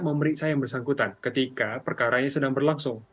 memeriksa yang bersangkutan ketika perkaranya sedang berlangsung